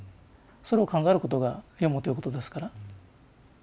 それを考えることが読むということですから。